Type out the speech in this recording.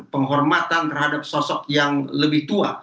penghormatan terhadap sosok yang lebih tua